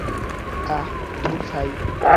আঃ, ধুর ছাই।